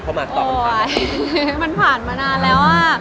เพราะหมาต่อมันผ่านมานานแล้วอ่ะ